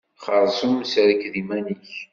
Xerṣum serked iman-ik.